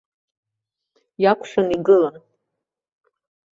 Иакәшан игылан.